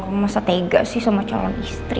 masa tega sih sama calon istri